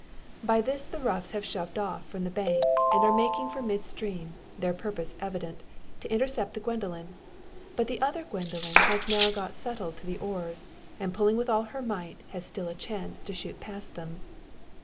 By this the roughs have shoved off from the bank, and are making for mid stream, their purpose evident to intercept the Gwendoline. But the other Gwendoline has now got settled to the oars; and pulling with all her might, has still a chance to shoot past them.